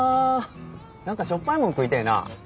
なんかしょっぱいもん食いてえな。